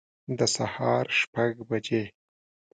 د سهار شپږ بجي